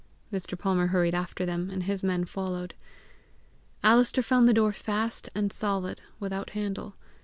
Mr. Palmer hurried after them, and his men followed. Alister found the door fast and solid, without handle.